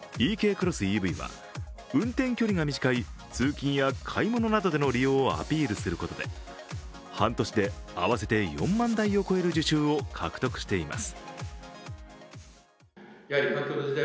クロスＥＶは運転距離が短い通勤や買い物などでの利用をアピールすることで半年で合わせて４万台を超える受注を獲得しています。